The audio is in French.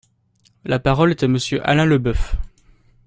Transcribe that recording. La parole est à Monsieur Alain Leboeuf.